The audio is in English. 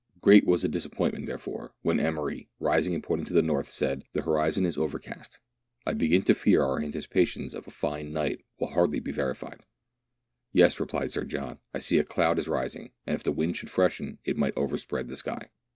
Great was the disappointment, therefore, when Emery, rising and pointing to the north, said, — "The horizon is overcast: I begin to fear our antici pations of a fine night will hardly be verified." "Yes," replied Sir John, "I see a cloud is rising, and if the wind should freshen, it might overspread the sky."